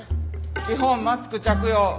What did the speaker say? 基本マスク着用。